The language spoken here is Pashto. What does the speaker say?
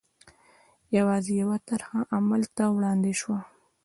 یوازې یوه طرحه عمل ته وړاندې شوه.